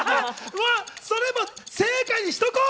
それも正解にしておこう！